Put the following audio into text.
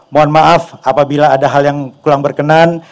mohon maaf apabila ada hal yang kurang berkenan